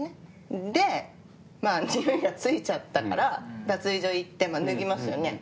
でにおいが付いちゃったから脱衣所行って脱ぎますよね。